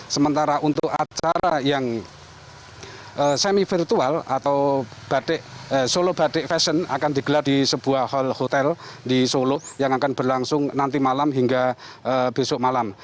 sementara untuk acara yang semi virtual atau solo batik fashion akan digelar di sebuah hotel di solo yang akan berlangsung nanti malam hingga besok malam